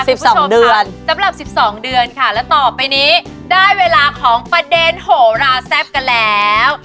สิบสองเดือนสำหรับสิบสองเดือนค่ะและต่อไปนี้ได้เวลาของประเด็นโหราแซ่บกันแล้ว